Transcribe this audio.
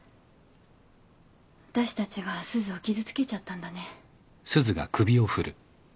あたしたちがすずを傷つけちゃったんだね。